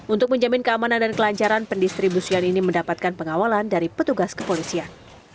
untuk menjamin keamanan dan kelancaran pendistribusian ini mendapatkan pengawalan dari petugas kepolisian